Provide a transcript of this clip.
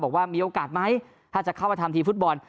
บอกว่ามีโอกาสไหมถ้าจะเข้ามาทำทีมฟุตบอล